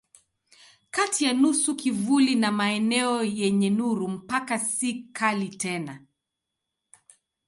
Kati ya nusu kivuli na maeneo yenye nuru mpaka si kali tena.